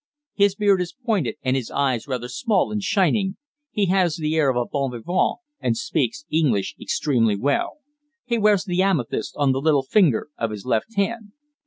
His beard is pointed, and his eyes rather small and shining. He has the air of a bon vivant, and speaks English extremely well. He wears the amethyst on the little finger of his left hand."